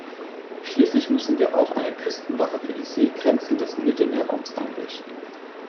Schließlich müssen wir auch eine Küstenwache für die Seegrenzen des Mittelmeerraums einrichten.